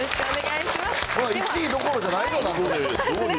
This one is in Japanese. １位どころじゃないぞ。